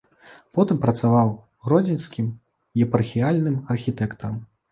Потым працаваў гродзенскім епархіяльным архітэктарам.